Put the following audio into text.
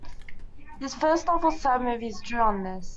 His first novel, "Sad Movies", drew on this.